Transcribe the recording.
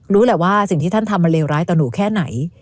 รู้แหละว่าสิ่งที่ท่านทำมันเลวร้ายต่อหนูแค่ไหน